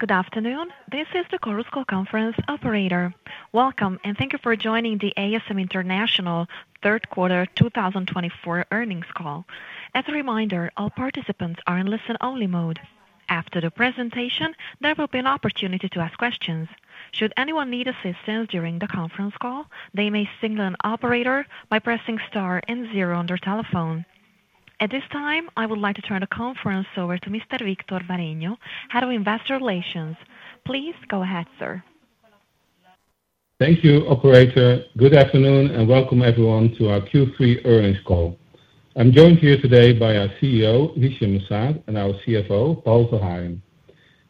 Good afternoon. This is the Chorus Call conference operator. Welcome, and thank you for joining the ASM International Third Quarter 2024 earnings call. As a reminder, all participants are in listen-only mode. After the presentation, there will be an opportunity to ask questions. Should anyone need assistance during the conference call, they may signal an operator by pressing star and zero on their telephone. At this time, I would like to turn the conference over to Mr. Victor Bareño, Head of Investor Relations. Please go ahead, sir. Thank you, Operator. Good afternoon and welcome, everyone, to our Q3 earnings call. I'm joined here today by our CEO, Hichem M'Saad, and our CFO, Paul Verhagen.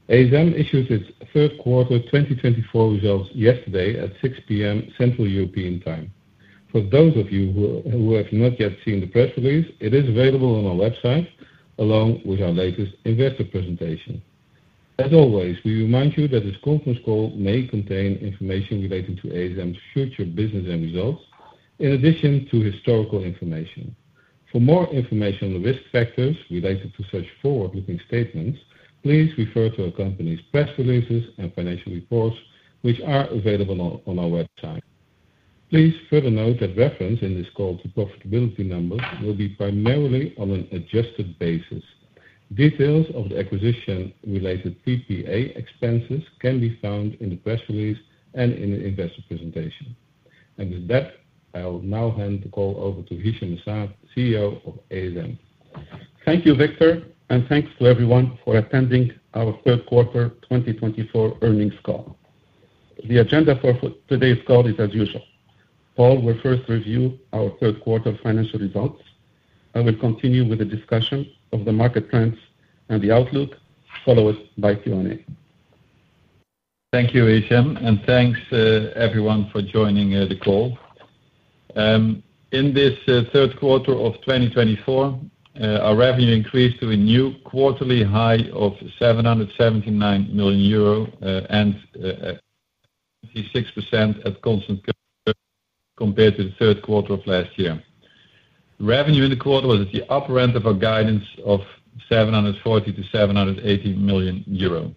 ASM issued its Third Quarter 2024 results yesterday at 6:00 P.M. Central European Time. For those of you who have not yet seen the press release, it is available on our website, along with our latest investor presentation. As always, we remind you that this conference call may contain information relating to ASM's future business and results, in addition to historical information. For more information on the risk factors related to such forward-looking statements, please refer to our company's press releases and financial reports, which are available on our website. Please further note that reference in this call to profitability numbers will be primarily on an adjusted basis. Details of the acquisition-related PPA expenses can be found in the press release and in the investor presentation. And with that, I will now hand the call over to Hichem M'Saad, CEO of ASM. Thank you, Victor, and thanks to everyone for attending our Third Quarter 2024 earnings call. The agenda for today's call is as usual. Paul will first review our Third Quarter financial results. I will continue with the discussion of the market trends and the outlook, followed by Q&A. Thank you, Hichem, and thanks, everyone, for joining the call. In this Third Quarter of 2024, our revenue increased to a new quarterly high of 779 million euro and 6% at constant growth compared to the Third Quarter of last year. Revenue in the quarter was at the upper end of our guidance of 740-780 million euro.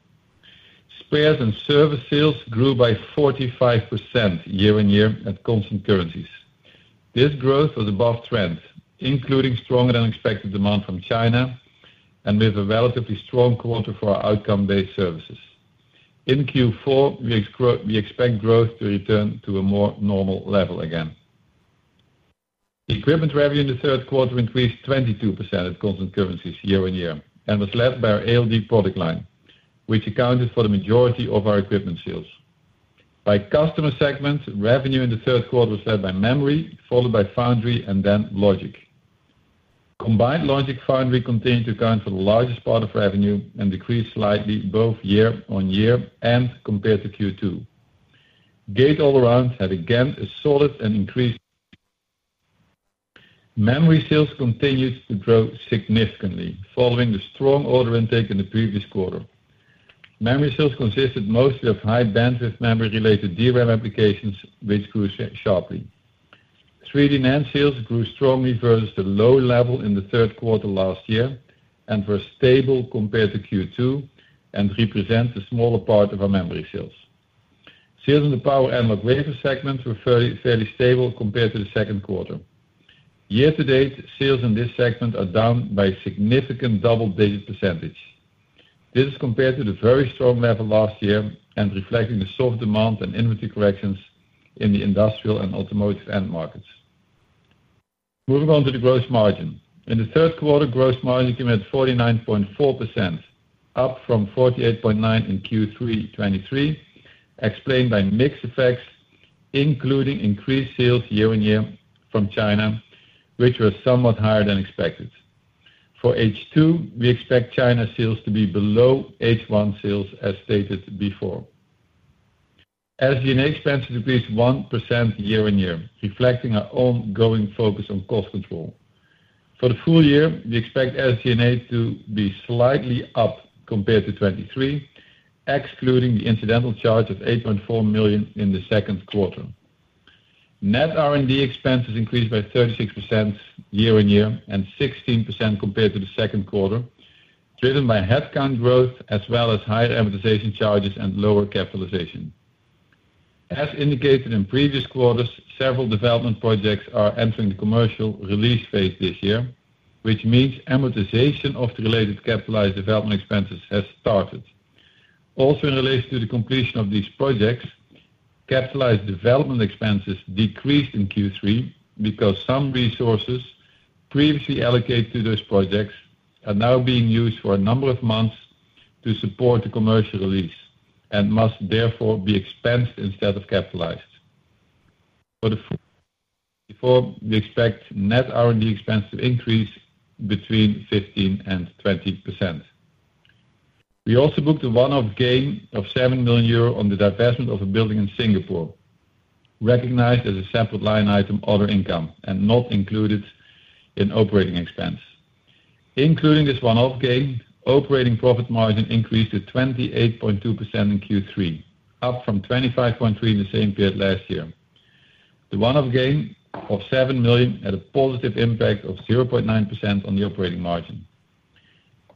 Spares and service sales grew by 45% year-on-year at constant currencies. This growth was above trend, including stronger-than-expected demand from China and with a relatively strong quarter for our outcome-based services. In Q4, we expect growth to return to a more normal level again. Equipment revenue in the Third Quarter increased 22% at constant currencies year-on-year and was led by our ALD product line, which accounted for the majority of our equipment sales. By customer segments, revenue in the Third Quarter was led by memory, followed by foundry, and then logic. Combined logic foundry continued to account for the largest part of revenue and decreased slightly both year-on-year and compared to Q2. Gate-all-around had again a solid and increased. Memory sales continued to grow significantly, following the strong order intake in the previous quarter. Memory sales consisted mostly of high-bandwidth memory-related DRAM applications, which grew sharply. 3D NAND sales grew strongly versus the low level in the Third Quarter last year and were stable compared to Q2 and represent a smaller part of our memory sales. Sales in the Power/Analog wafer segment were fairly stable compared to the Second Quarter. Year-to-date, sales in this segment are down by a significant double-digit percentage. This is compared to the very strong level last year and reflecting the soft demand and inventory corrections in the industrial and automotive end markets. Moving on to the gross margin. In the Third Quarter, gross margin came at 49.4%, up from 48.9% in Q3 2023, explained by mixed effects, including increased sales year-on-year from China, which were somewhat higher than expected. For H2, we expect China sales to be below H1 sales, as stated before. SG&A expenses increased 1% year-on-year, reflecting our ongoing focus on cost control. For the full year, we expect SG&A to be slightly up compared to 2023, excluding the incidental charge of 8.4 million in the Second Quarter. Net R&D expenses increased by 36% year-on-year and 16% compared to the Second Quarter, driven by headcount growth as well as higher amortization charges and lower capitalization. As indicated in previous quarters, several development projects are entering the commercial release phase this year, which means amortization of the related capitalized development expenses has started. Also, in relation to the completion of these projects, capitalized development expenses decreased in Q3 because some resources previously allocated to those projects are now being used for a number of months to support the commercial release and must therefore be expensed instead of capitalized. For the full year, we expect net R&D expenses to increase between 15% and 20%. We also booked a one-off gain of 7 million euro on the divestment of a building in Singapore, recognized as a separate line item, other income and not included in operating expense. Including this one-off gain, operating profit margin increased to 28.2% in Q3, up from 25.3% in the same period last year. The one-off gain of 7 million had a positive impact of 0.9% on the operating margin.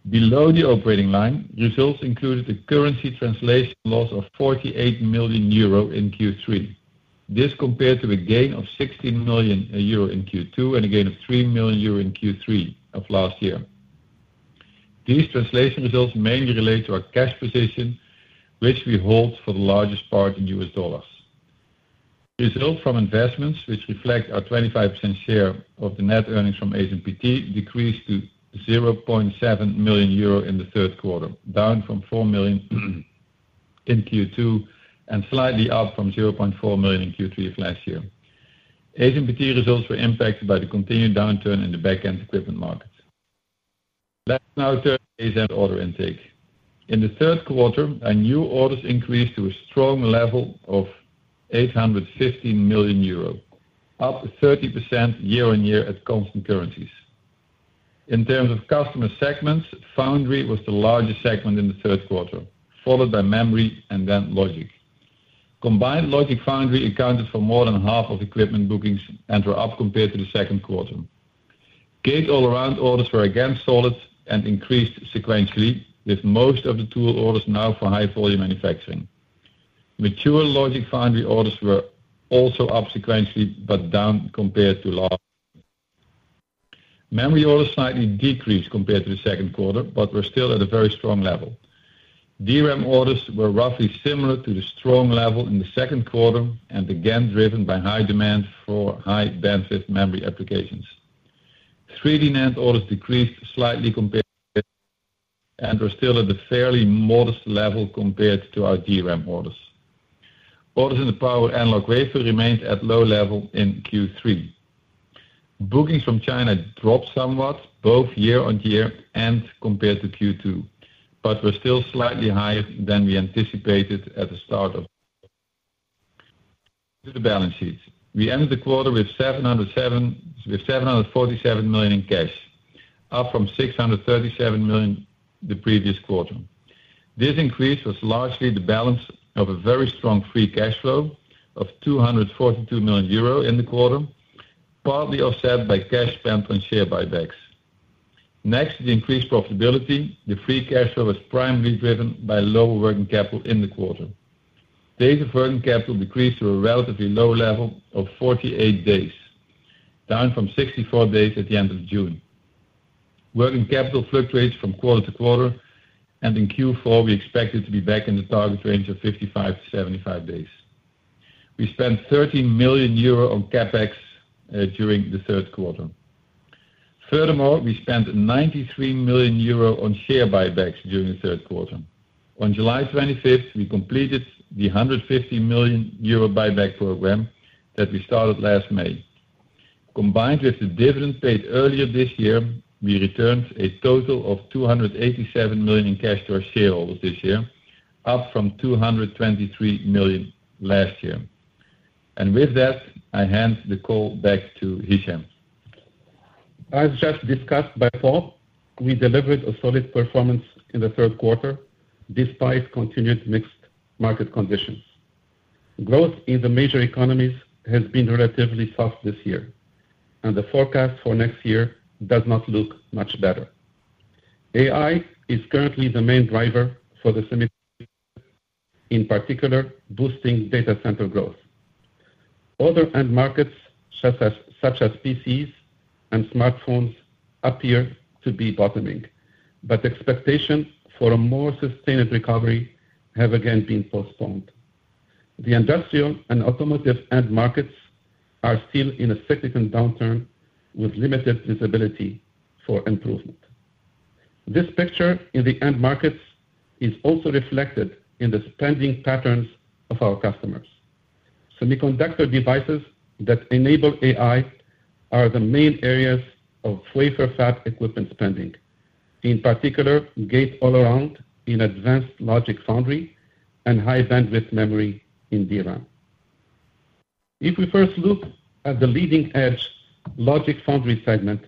Below the operating line, results included a currency translation loss of 48 million euro in Q3. This compared to a gain of 16 million euro in Q2 and a gain of 3 million euro in Q3 of last year. These translation results mainly relate to our cash position, which we hold for the largest part in US dollars. Results from investments, which reflect our 25% share of the net earnings from ASMPT, decreased to 0.7 million euro in the Third Quarter, down from 4 million in Q2 and slightly up from 0.4 million in Q3 of last year. ASMPT results were impacted by the continued downturn in the back-end equipment market. Let's now turn to ASM order intake. In the Third Quarter, our new orders increased to a strong level of 815 million euro, up 30% year-on-year at constant currencies. In terms of customer segments, foundry was the largest segment in the Third Quarter, followed by memory and then logic. Combined logic foundry accounted for more than half of equipment bookings and were up compared to the second quarter. Gate-all-around orders were again solid and increased sequentially, with most of the tool orders now for high-volume manufacturing. Mature logic foundry orders were also up sequentially but down compared to last year. Memory orders slightly decreased compared to the second quarter but were still at a very strong level. DRAM orders were roughly similar to the strong level in the second quarter and again driven by high demand for high-bandwidth memory applications. 3D NAND orders decreased slightly compared to last year and were still at the fairly modest level compared to our DRAM orders. Orders in the power analog wafer remained at low level in Q3. Bookings from China dropped somewhat, both year-on-year and compared to Q2, but were still slightly higher than we anticipated at the start of the quarter. To the balance sheets, we ended the quarter with 747 million in cash, up from 637 million the previous quarter. This increase was largely the balance of a very strong free cash flow of 242 million euro in the quarter, partly offset by cash spent on share buybacks. Next to the increased profitability, the free cash flow was primarily driven by lower working capital in the quarter. Days of working capital decreased to a relatively low level of 48 days, down from 64 days at the end of June. Working capital fluctuates from quarter to quarter, and in Q4, we expected to be back in the target range of 55-75 days. We spent 13 million euro on CapEx during the third quarter. Furthermore, we spent 93 million euro on share buybacks during the third quarter. On July 25th, we completed the 150 million euro buyback program that we started last May. Combined with the dividend paid earlier this year, we returned a total of 287 million in cash to our shareholders this year, up from 223 million last year. With that, I hand the call back to Hichem. As just discussed by Paul, we delivered a solid performance in the third quarter despite continued mixed market conditions. Growth in the major economies has been relatively soft this year, and the forecast for next year does not look much better. AI is currently the main driver for the semiconductor industry, in particular boosting data center growth. Other end markets, such as PCs and smartphones, appear to be bottoming, but expectations for a more sustained recovery have again been postponed. The industrial and automotive end markets are still in a significant downturn, with limited visibility for improvement. This picture in the end markets is also reflected in the spending patterns of our customers. Semiconductor devices that enable AI are the main areas of wafer fab equipment spending, in particular Gate-all-around in advanced logic foundry and high-bandwidth memory in DRAM. If we first look at the leading-edge logic foundry segment,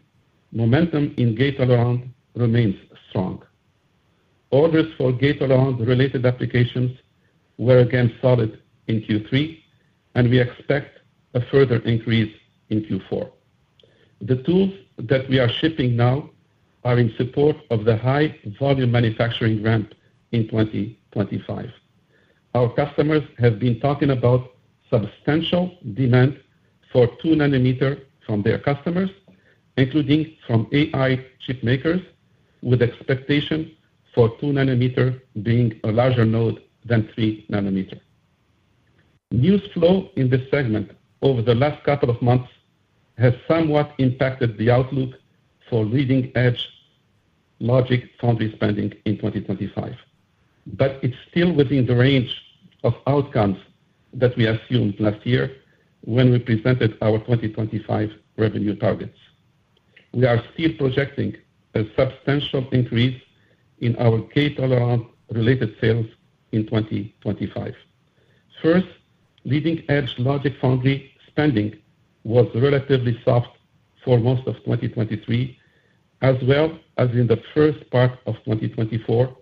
momentum in Gate-all-around remains strong. Orders for Gate-all-around-related applications were again solid in Q3, and we expect a further increase in Q4. The tools that we are shipping now are in support of the high-volume manufacturing ramp in 2025. Our customers have been talking about substantial demand for 2nm from their customers, including from AI chipmakers, with expectations for 2nm being a larger node than 3nm. News flow in this segment over the last couple of months has somewhat impacted the outlook for leading-edge logic foundry spending in 2025, but it's still within the range of outcomes that we assumed last year when we presented our 2025 revenue targets. We are still projecting a substantial increase in our Gate-all-around-related sales in 2025. First, leading-edge logic foundry spending was relatively soft for most of 2023, as well as in the first part of 2024,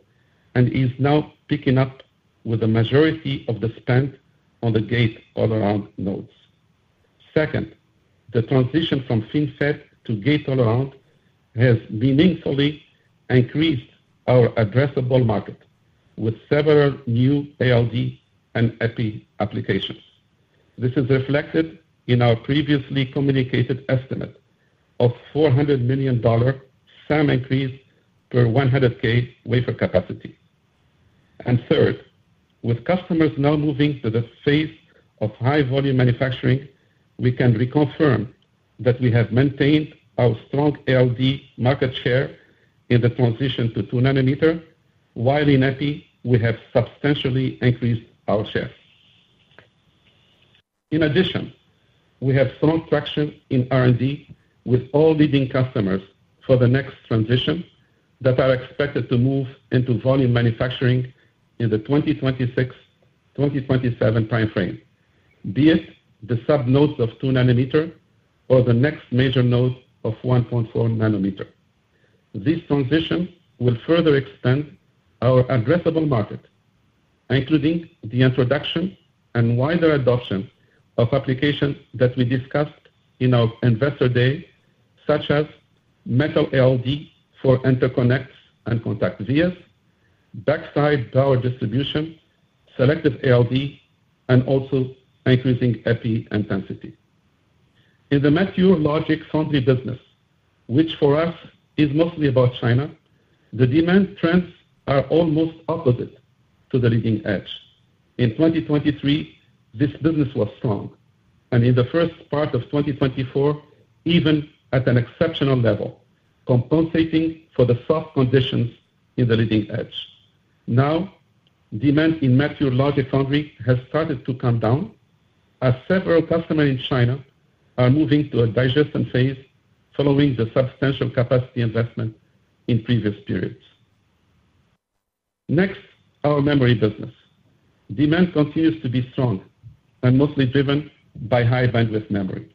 and is now picking up with a majority of the spend on the Gate-all-around nodes. Second, the transition from FinFET to Gate-all-around has meaningfully increased our addressable market, with several new ALD and Epi applications. This is reflected in our previously communicated estimate of $400 million SAM increase per 100K wafer capacity. And third, with customers now moving to the phase of high-volume manufacturing, we can reconfirm that we have maintained our strong ALD market share in the transition to 2nm, while in Epi, we have substantially increased our share. In addition, we have strong traction in R&D with all leading customers for the next transition that are expected to move into volume manufacturing in the 2026-2027 timeframe, be it the sub-nodes of 2nm or the next major node of 1.4nm. This transition will further extend our addressable market, including the introduction and wider adoption of applications that we discussed in our investor day, such as metal ALD for interconnects and contact vias, backside power distribution, selective ALD, and also increasing Epi intensity. In the mature logic foundry business, which for us is mostly about China, the demand trends are almost opposite to the leading edge. In 2023, this business was strong, and in the first part of 2024, even at an exceptional level, compensating for the soft conditions in the leading edge. Now, demand in mature logic foundry has started to come down, as several customers in China are moving to a digestion phase following the substantial capacity investment in previous periods. Next, our memory business. Demand continues to be strong and mostly driven by high-bandwidth memory.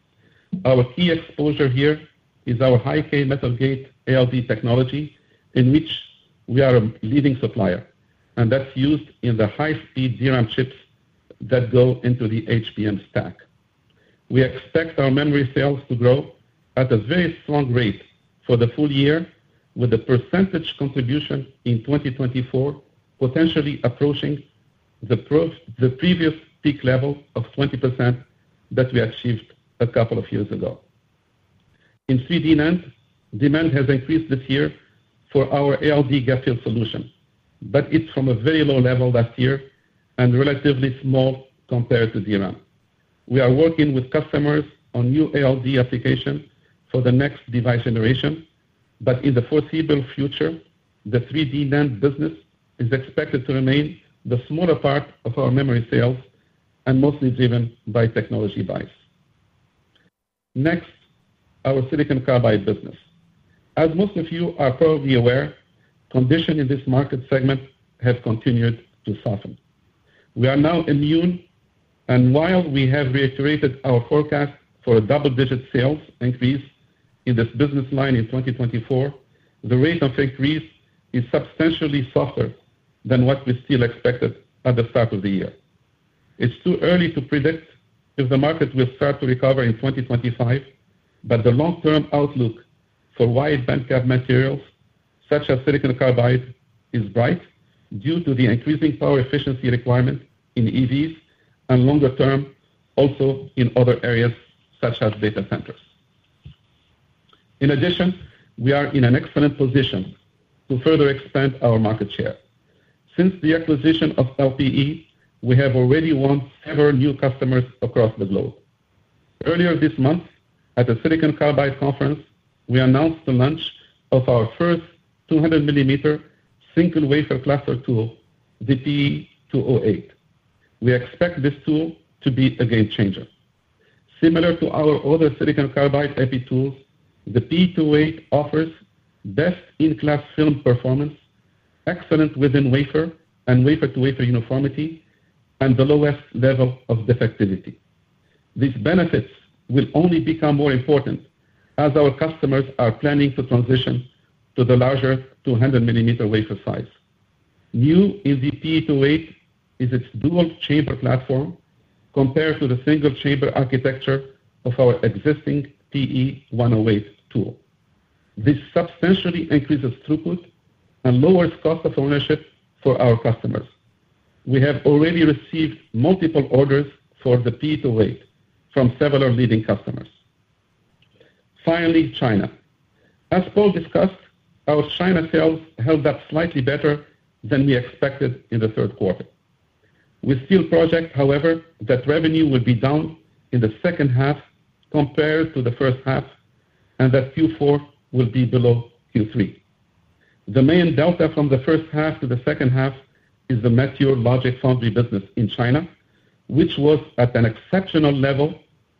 Our key exposure here is our high-k Metal Gate ALD technology, in which we are a leading supplier, and that's used in the high-speed DRAM chips that go into the HBM stack. We expect our memory sales to grow at a very strong rate for the full year, with a percentage contribution in 2024 potentially approaching the previous peak level of 20% that we achieved a couple of years ago. In 3D NAND, demand has increased this year for our ALD gap fill solution, but it's from a very low level last year and relatively small compared to DRAM. We are working with customers on new ALD applications for the next device generation, but in the foreseeable future, the 3D NAND business is expected to remain the smaller part of our memory sales and mostly driven by technology buys. Next, our silicon carbide business. As most of you are probably aware, conditions in this market segment have continued to soften. We are not immune, and while we have reiterated our forecast for a double-digit sales increase in this business line in 2024, the rate of increase is substantially softer than what we still expected at the start of the year. It's too early to predict if the market will start to recover in 2025, but the long-term outlook for wide-bandgap materials, such as silicon carbide, is bright due to the increasing power efficiency requirement in EVs and longer term also in other areas, such as data centers. In addition, we are in an excellent position to further expand our market share. Since the acquisition of LPE, we have already won several new customers across the globe. Earlier this month, at the Silicon Carbide Conference, we announced the launch of our first 200mm single wafer cluster tool, the P208. We expect this tool to be a game changer. Similar to our other silicon carbide Epi tools, the P208 offers best-in-class film performance, excellent within wafer and wafer-to-wafer uniformity, and the lowest level of defectivity. These benefits will only become more important as our customers are planning to transition to the larger 200mm wafer size. New in the P208 is its dual-chamber platform compared to the single-chamber architecture of our existing PE108 tool. This substantially increases throughput and lowers cost of ownership for our customers. We have already received multiple orders for the P208 from several leading customers. Finally, China. As Paul discussed, our China sales held up slightly better than we expected in the third quarter. We still project, however, that revenue will be down in the second half compared to the first half and that Q4 will be below Q3. The main delta from the first half to the second half is the mature logic foundry business in China, which was at an exceptional level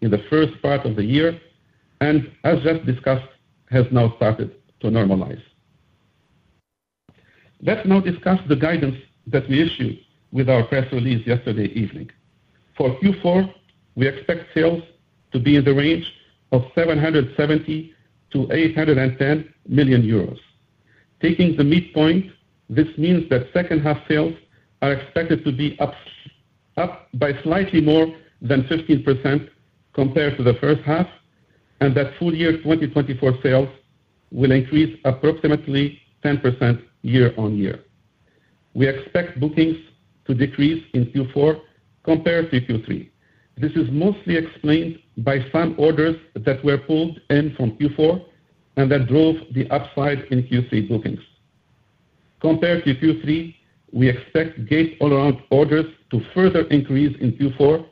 in the first part of the year and, as just discussed, has now started to normalize. Let's now discuss the guidance that we issued with our press release yesterday evening. For Q4, we expect sales to be in the range of 770-810 million euros. Taking the midpoint, this means that second-half sales are expected to be up by slightly more than 15% compared to the first half, and that full year 2024 sales will increase approximately 10% year-on-year. We expect bookings to decrease in Q4 compared to Q3. This is mostly explained by some orders that were pulled in from Q4 and that drove the upside in Q3 bookings. Compared to Q3, we expect Gate all-around orders to further increase in Q4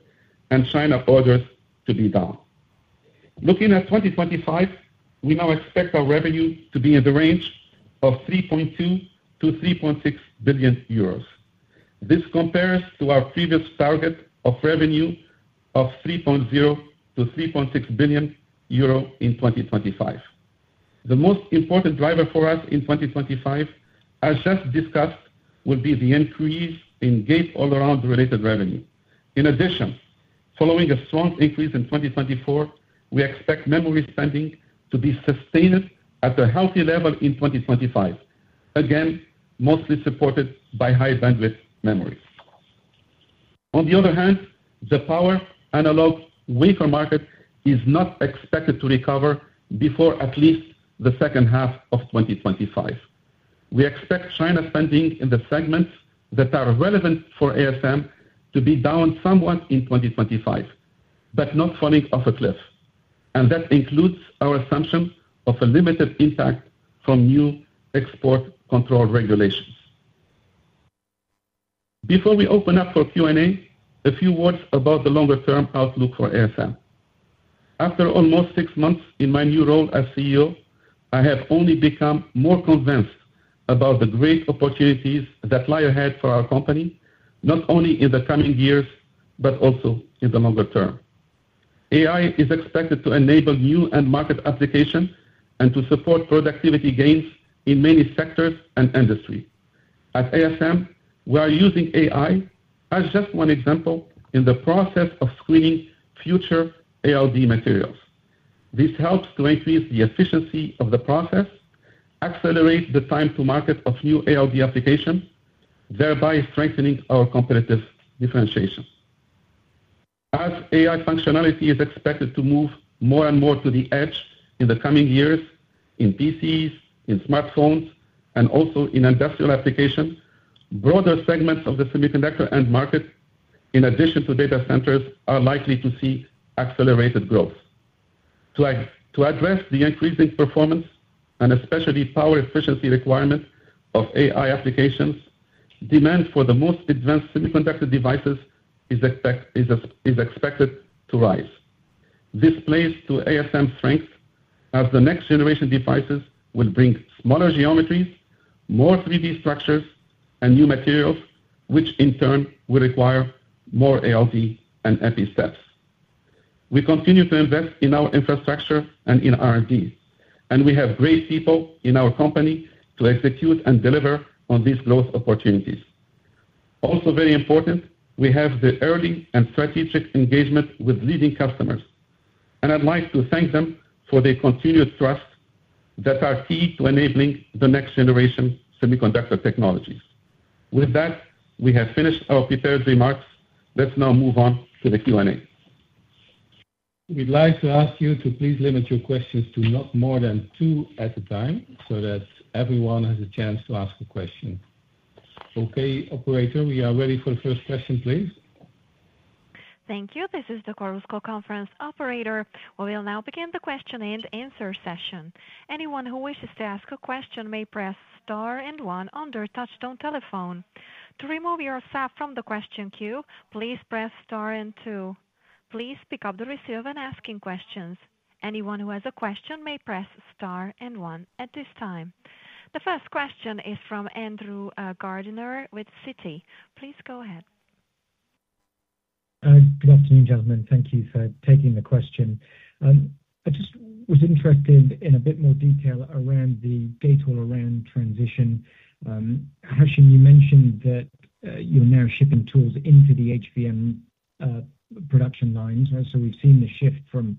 and China orders to be down. Looking at 2025, we now expect our revenue to be in the range of 3.2-3.6 billion euros. This compares to our previous target of revenue of 3.0-3.6 billion euro in 2025. The most important driver for us in 2025, as just discussed, will be the increase in Gate all-around-related revenue. In addition, following a strong increase in 2024, we expect memory spending to be sustained at a healthy level in 2025, again mostly supported by high-bandwidth memories. On the other hand, the power analog wafer market is not expected to recover before at least the second half of 2025. We expect China spending in the segments that are relevant for ASM to be down somewhat in 2025, but not falling off a cliff, and that includes our assumption of a limited impact from new export control regulations. Before we open up for Q&A, a few words about the longer-term outlook for ASM. After almost six months in my new role as CEO, I have only become more convinced about the great opportunities that lie ahead for our company, not only in the coming years but also in the longer term. AI is expected to enable new end market applications and to support productivity gains in many sectors and industries. At ASM, we are using AI, as just one example, in the process of screening future ALD materials. This helps to increase the efficiency of the process, accelerate the time-to-market of new ALD applications, thereby strengthening our competitive differentiation. As AI functionality is expected to move more and more to the edge in the coming years in PCs, in smartphones, and also in industrial applications, broader segments of the semiconductor end market, in addition to data centers, are likely to see accelerated growth. To address the increasing performance and especially power efficiency requirement of AI applications, demand for the most advanced semiconductor devices is expected to rise. This plays to ASM's strength, as the next-generation devices will bring smaller geometries, more 3D structures, and new materials, which in turn will require more ALD and Epi steps. We continue to invest in our infrastructure and in R&D, and we have great people in our company to execute and deliver on these growth opportunities. Also very important, we have the early and strategic engagement with leading customers, and I'd like to thank them for their continued trust that are key to enabling the next-generation semiconductor technologies. With that, we have finished our prepared remarks. Let's now move on to the Q&A. We'd like to ask you to please limit your questions to not more than two at a time so that everyone has a chance to ask a question. Okay, Operator, we are ready for the first question, please. Thank you. This is the Chorus Call Conference Operator. We will now begin the question and answer session. Anyone who wishes to ask a question may press Star and One on their touch-tone telephone. To remove yourself from the question queue, please press Star and Two. Please pick up the receiver and ask questions. Anyone who has a question may press star and one at this time. The first question is from Andrew Gardiner with Citi. Please go ahead. Good afternoon, gentlemen. Thank you for taking the question. I just was interested in a bit more detail around the gate-all-around transition. Hichem, you mentioned that you're now shipping tools into the HBM production lines, right? So we've seen the shift from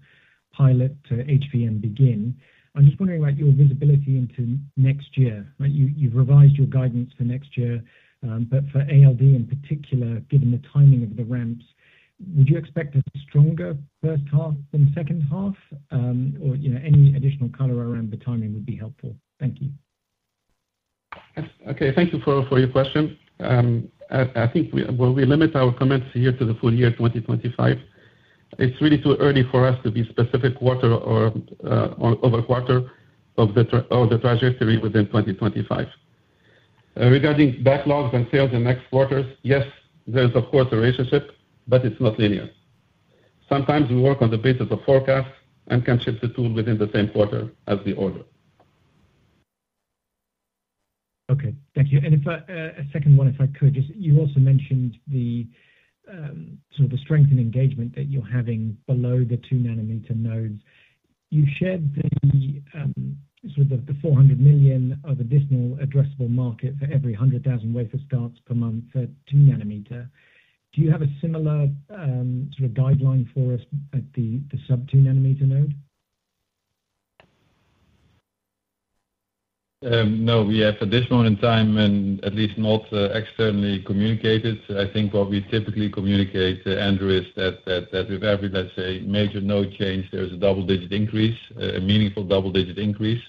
pilot to HBM begin. I'm just wondering about your visibility into next year, right? You've revised your guidance for next year, but for ALD in particular, given the timing of the ramps, would you expect a stronger first half than second half? Or any additional color around the timing would be helpful. Thank you. Okay, thank you for your question. I think we'll limit our comments here to the full year 2025. It's really too early for us to be specific quarter-over-quarter of the trajectory within 2025. Regarding backlogs and sales in next quarters, yes, there is, of course, a relationship, but it's not linear. Sometimes we work on the basis of forecasts and can ship the tool within the same quarter as the order. Okay, thank you. And a second one, if I could, just, you also mentioned the strength and engagement that you're having below the 2 nanometer nodes. You've shared the 400 million of additional addressable market for every 100,000 wafer starts per month for 2 nanometer. Do you have a similar guideline for us at the sub-2 nanometer node? No, we have not at this moment in time, and at least not externally communicated. I think what we typically communicate, Andrew, is that with every, let's say, major node change, there is a double-digit increase, a meaningful double-digit increase,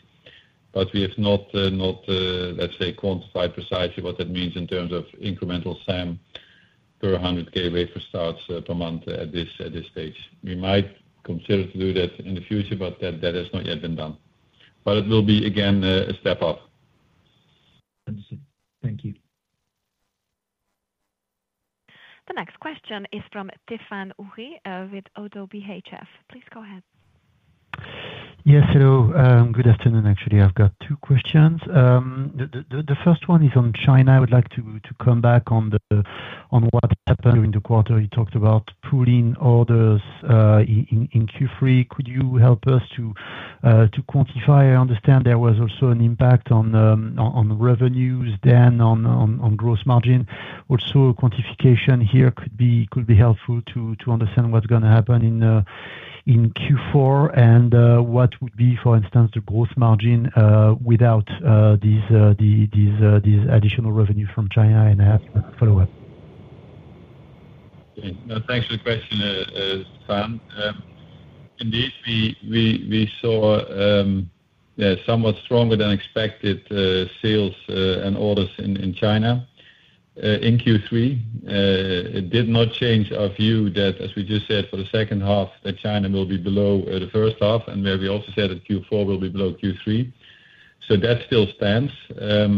but we have not, let's say, quantified precisely what that means in terms of incremental SAM per 100K wafer starts per month at this stage. We might consider to do that in the future, but that has not yet been done. But it will be, again, a step up. Understood. Thank you. The next question is from Stéphane Houri with Oddo BHF. Please go ahead. Yes, hello. Good afternoon, actually. I've got two questions. The first one is on China. I would like to come back on what happened during the quarter. You talked about pulling orders in Q3. Could you help us to quantify? I understand there was also an impact on revenues, then on gross margin. Also, quantification here could be helpful to understand what's going to happen in Q4 and what would be, for instance, the gross margin without this additional revenue from China? And I have a follow-up. Thanks for the question, Stefan. Indeed, we saw somewhat stronger than expected sales and orders in China in Q3. It did not change our view that, as we just said, for the second half, that China will be below the first half, and we also said that Q4 will be below Q3. So that still stands. The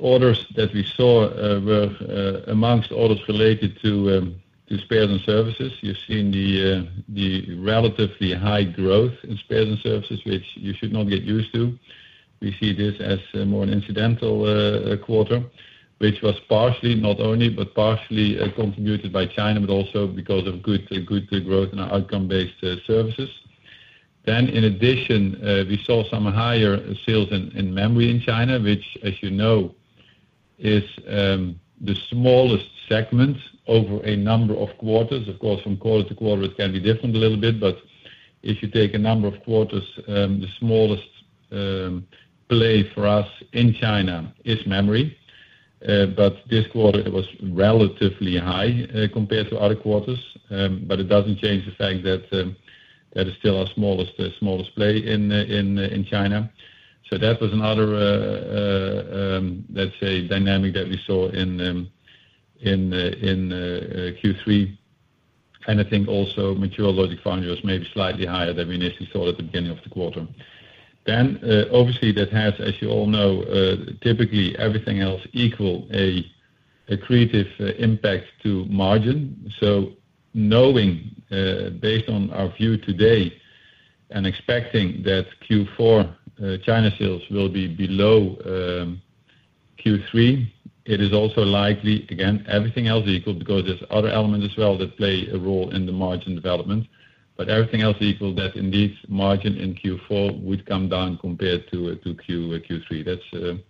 orders that we saw were amongst orders related to spares and services. You've seen the relatively high growth in spares and services, which you should not get used to. We see this as more an incidental quarter, which was partially not only but partially contributed by China, but also because of good growth in our outcome-based services. Then, in addition, we saw some higher sales in memory in China, which, as you know, is the smallest segment over a number of quarters. Of course, from quarter to quarter, it can be different a little bit, but if you take a number of quarters, the smallest play for us in China is memory. But this quarter, it was relatively high compared to other quarters, but it doesn't change the fact that it is still our smallest play in China. So that was another, let's say, dynamic that we saw in Q3. And I think also mature logic foundry was maybe slightly higher than we initially thought at the beginning of the quarter. Then, obviously, that has, as you all know, typically everything else equal a negative impact to margin. So, knowing, based on our view today and expecting that Q4 China sales will be below Q3, it is also likely, again, everything else equal because there's other elements as well that play a role in the margin development. But everything else equal, that indeed margin in Q4 would come down compared to Q3. That's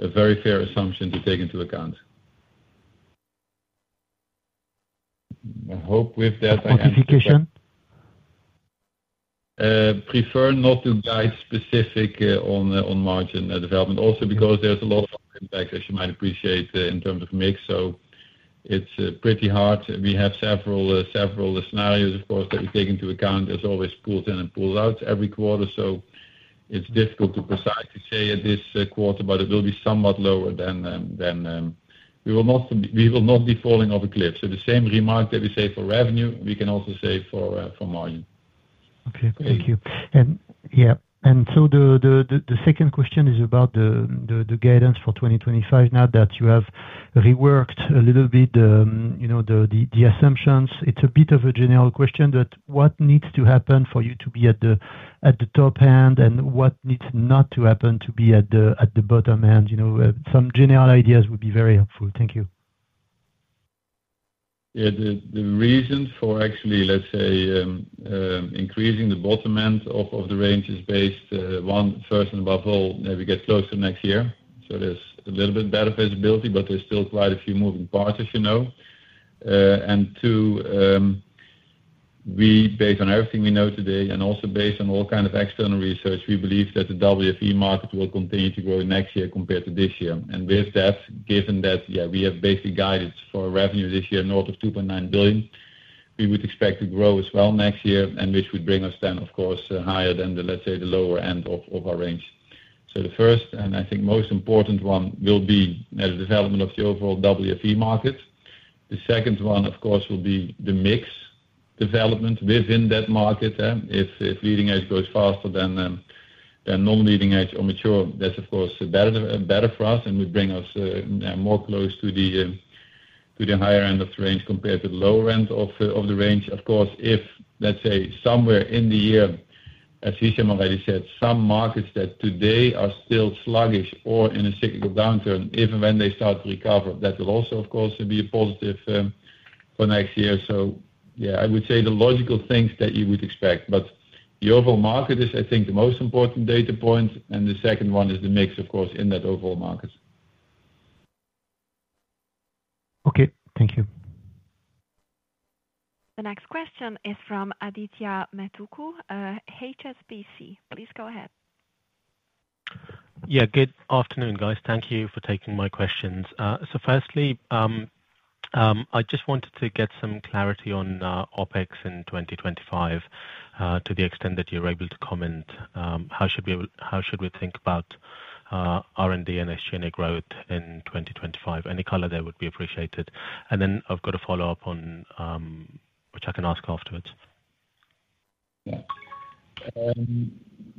a very fair assumption to take into account. I hope with that. Quantification? Prefer not to guide specific on margin development, also because there's a lot of impact, as you might appreciate, in terms of mix. So it's pretty hard. We have several scenarios, of course, that we take into account. There's always pulls in and pulls out every quarter, so it's difficult to precisely say at this quarter, but it will be somewhat lower than we will not be falling off a cliff. So the same remark that we say for revenue, we can also say for margin. Okay, thank you. And yeah, and so the second question is about the guidance for 2025 now that you have reworked a little bit the assumptions. It's a bit of a general question, but what needs to happen for you to be at the top end and what needs not to happen to be at the bottom end? Some general ideas would be very helpful. Thank you. Yeah, the reason for actually, let's say, increasing the bottom end of the range is based, one, first and above all, that we get closer to next year. So there's a little bit better visibility, but there's still quite a few moving parts, as you know. And two, based on everything we know today and also based on all kinds of external research, we believe that the WFE market will continue to grow next year compared to this year. And with that, given that, yeah, we have basic guidance for revenue this year north of 2.9 billion, we would expect to grow as well next year, and which would bring us then, of course, higher than the, let's say, the lower end of our range. So the first and I think most important one will be the development of the overall WFE market. The second one, of course, will be the mix development within that market. If leading edge goes faster than non-leading edge or mature, that's, of course, better for us, and would bring us more close to the higher end of the range compared to the lower end of the range. Of course, if, let's say, somewhere in the year, as Hichem already said, some markets that today are still sluggish or in a cyclical downturn, even when they start to recover, that will also, of course, be a positive for next year. So yeah, I would say the logical things that you would expect, but the overall market is, I think, the most important data point, and the second one is the mix, of course, in that overall market. Okay, thank you. The next question is from Adithya Metuku, HSBC. Please go ahead. Yeah, good afternoon, guys. Thank you for taking my questions. So firstly, I just wanted to get some clarity on OpEx in 2025. To the extent that you're able to comment, how should we think about R&D and SG&A growth in 2025? Any color there would be appreciated. And then I've got a follow-up on which I can ask afterwards. Yeah.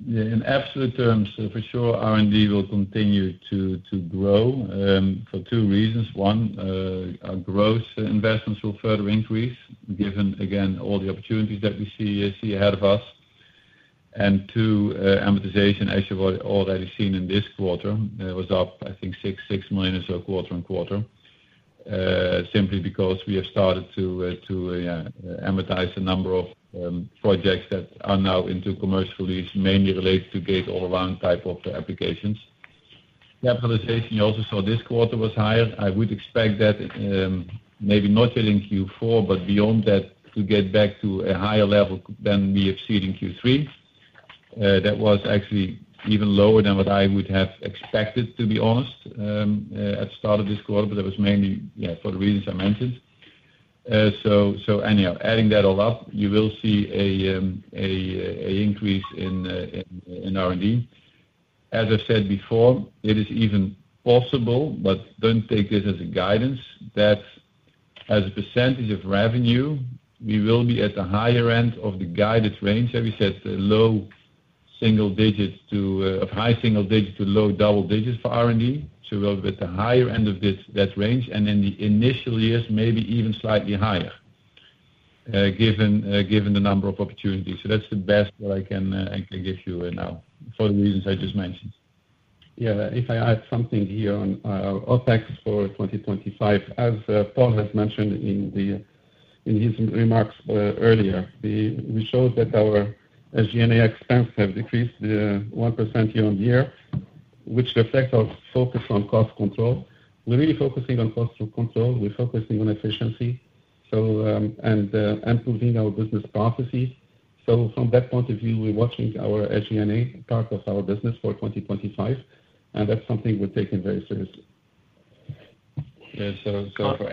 In absolute terms, for sure, R&D will continue to grow for two reasons. One, our growth investments will further increase given, again, all the opportunities that we see ahead of us. And two, amortization, as you've already seen in this quarter, was up, I think, 6 million or so quarter on quarter, simply because we have started to amortize a number of projects that are now into commercial release, mainly related to gate-all-around type of applications. Capitalization, you also saw this quarter was higher. I would expect that maybe not yet in Q4, but beyond that, to get back to a higher level than we have seen in Q3. That was actually even lower than what I would have expected, to be honest, at the start of this quarter, but that was mainly, yeah, for the reasons I mentioned. So anyhow, adding that all up, you will see an increase in R&D. As I've said before, it is even possible, but don't take this as a guidance, that as a percentage of revenue, we will be at the higher end of the guided range, as we said, low single digit to high single digit to low double digit for R&D. So we'll be at the higher end of that range, and in the initial years, maybe even slightly higher, given the number of opportunities. So that's the best that I can give you now for the reasons I just mentioned. Yeah, if I add something here on OPEX for 2025, as Paul has mentioned in his remarks earlier, we showed that our SG&A expenses have decreased 1% year on year, which reflects our focus on cost control. We're really focusing on cost control. We're focusing on efficiency and improving our business processes. So from that point of view, we're watching our SG&A part of our business for 2025, and that's something we're taking very seriously. Yeah, so for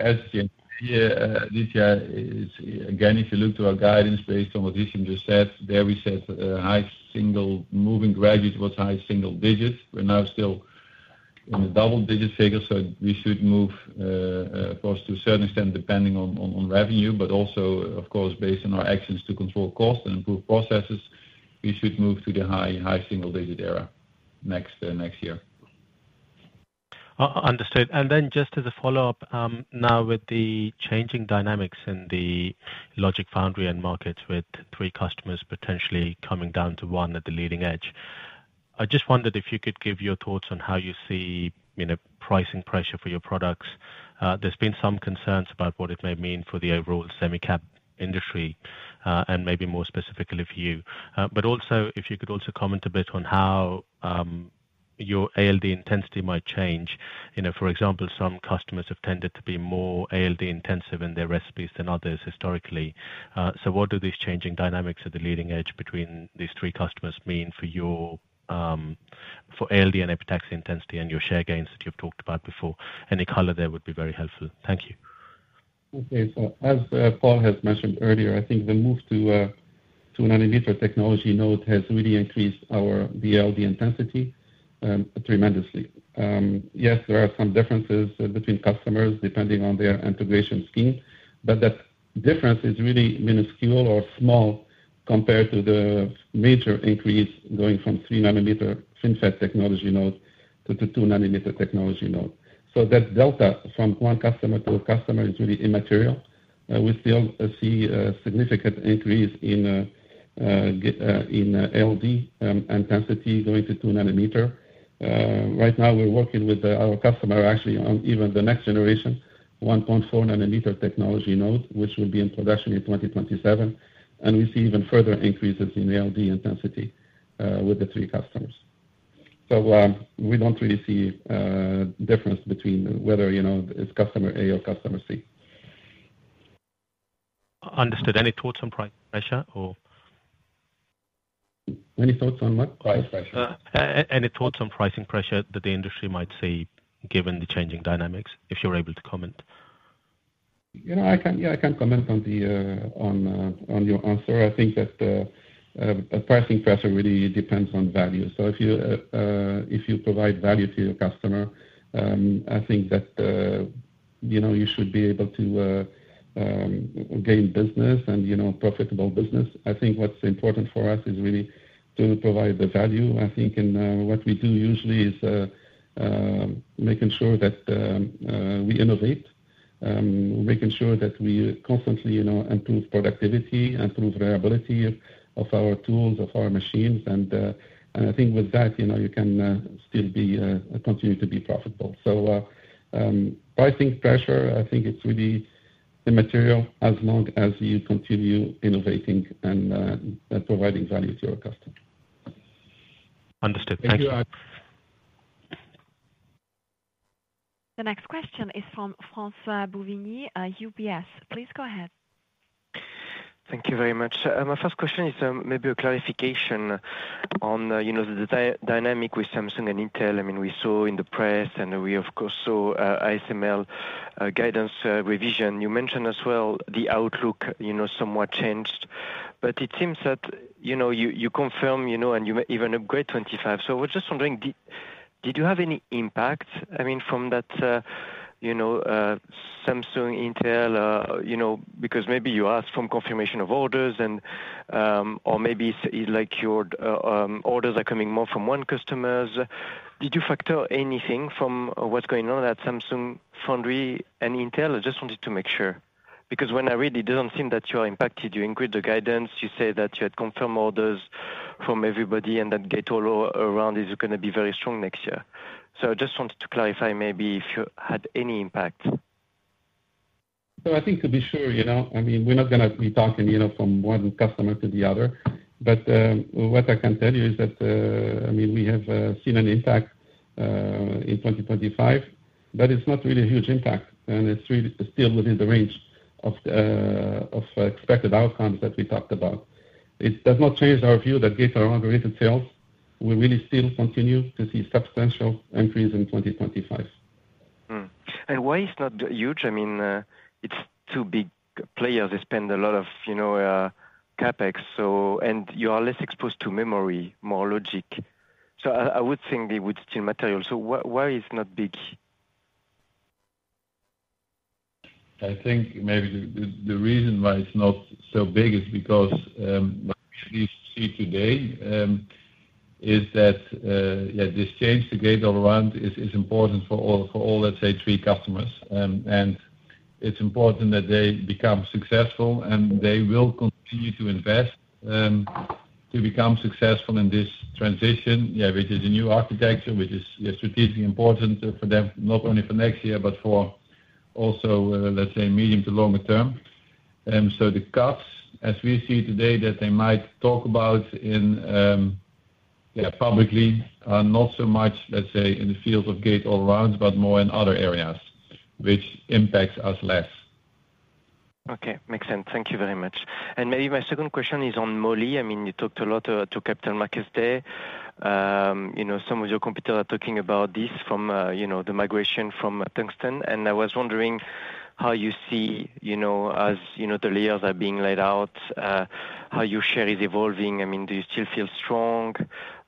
SG&A, Aditya, again, if you look to our guidance based on what Hichem just said, there we said high single moving gradually towards high single digit. We're now still in the double-digit figure, so we should move, of course, to a certain extent depending on revenue, but also, of course, based on our actions to control cost and improve processes, we should move to the high single-digit area next year. Understood. And then just as a follow-up, now with the changing dynamics in the logic foundry and markets with three customers potentially coming down to one at the leading edge, I just wondered if you could give your thoughts on how you see pricing pressure for your products. There's been some concerns about what it may mean for the overall semi cap industry and maybe more specifically for you. But also, if you could also comment a bit on how your ALD intensity might change. For example, some customers have tended to be more ALD intensive in their recipes than others historically. So what do these changing dynamics at the leading edge between these three customers mean for your ALD and epitaxy intensity and your share gains that you've talked about before? Any color there would be very helpful. Thank you. Okay, so as Paul has mentioned earlier, I think the move to a 2 nanometer technology node has really increased our ALD intensity tremendously. Yes, there are some differences between customers depending on their integration scheme, but that difference is really minuscule or small compared to the major increase going from 3 nanometer FinFET technology node to the 2 nanometer technology node. So that delta from one customer to a customer is really immaterial. We still see a significant increase in ALD intensity going to 2 nanometer. Right now, we're working with our customer, actually, on even the next generation 1.4 nanometer technology node, which will be in production in 2027. And we see even further increases in ALD intensity with the three customers. So we don't really see a difference between whether it's customer A or customer C. Understood. Any thoughts on price pressure or? Any thoughts on what? Price pressure. Any thoughts on pricing pressure that the industry might see given the changing dynamics, if you're able to comment? Yeah, I can't comment on your answer. I think that pricing pressure really depends on value. So if you provide value to your customer, I think that you should be able to gain business and profitable business. I think what's important for us is really to provide the value. I think what we do usually is making sure that we innovate, making sure that we constantly improve productivity, improve reliability of our tools, of our machines. I think with that, you can still continue to be profitable. So pricing pressure, I think it's really immaterial as long as you continue innovating and providing value to your customer. Understood. Thank you. Thank you. The next question is from François-Xavier Bouvignies, UBS. Please go ahead. Thank you very much. My first question is maybe a clarification on the dynamic with Samsung and Intel. I mean, we saw in the press and we, of course, saw ASML guidance revision. You mentioned as well the outlook somewhat changed, but it seems that you confirm and you even upgrade 25. So I was just wondering, did you have any impact, I mean, from that Samsung, Intel? Because maybe you asked from confirmation of orders or maybe your orders are coming more from one customer's. Did you factor anything from what's going on at Samsung Foundry and Intel? I just wanted to make sure. Because when I read, it doesn't seem that you are impacted. You include the guidance. You say that you had confirmed orders from everybody, and that Gate-all-around is going to be very strong next year. So I just wanted to clarify maybe if you had any impact. So I think to be sure, I mean, we're not going to be talking from one customer to the other. But what I can tell you is that, I mean, we have seen an impact in 2025, but it's not really a huge impact, and it's still within the range of expected outcomes that we talked about. It does not change our view that Gate-all-around related sales, we really still continue to see substantial increase in 2025. And why is it not huge? I mean, it's two big players. They spend a lot of CapEx, and you are less exposed to memory, more logic. So I would think it would still be material. So why is it not big? I think maybe the reason why it's not so big is because what we see today is that, yeah, this change, the Gate-all-around, is important for all, let's say, three customers, and it's important that they become successful, and they will continue to invest to become successful in this transition, yeah, which is a new architecture, which is strategically important for them, not only for next year, but for also, let's say, medium to longer term. And so the cuts, as we see today that they might talk about, yeah, publicly, are not so much, let's say, in the field of Gate-all-around, but more in other areas, which impacts us less. Okay. Makes sense. Thank you very much, and maybe my second question is on moly. I mean, you talked a lot at Capital Markets Day. Some of your competitors are talking about this from the migration from Tungsten, and I was wondering how you see, as the layers are being laid out, how your share is evolving. I mean, do you still feel strong